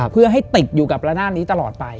เพื่อให้ติดอยู่กับระนาดนี้ตลอดไป